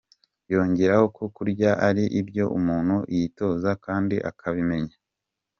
Yongeraho ko kurya ari ibyo umuntu yitoza kandi akabimenya.